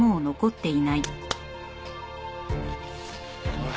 おい。